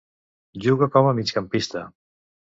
Juga com a migcampista.